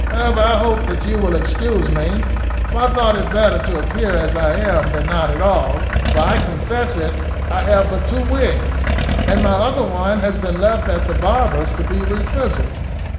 However, I hope that you will excuse me, for I thought it better to appear as I am than not at all; for, I confess it, I have but two wigs, and my other one has been left at the barber's to be refrizzled."